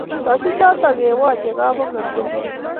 Sachin choto kewachei kabong’ate